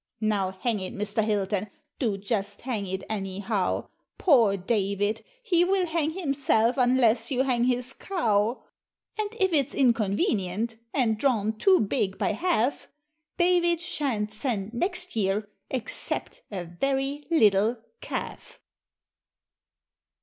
Now hang it, Mr. Hilton, do just hang it anyhow, Poor David, he will hang himself, unless you hang his Cow. And if it's inconvenient and drawn too big by half David shan't send next year except a very little calf!"